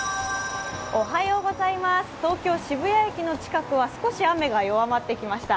東京・渋谷駅の近くは少し雨が弱まってきました。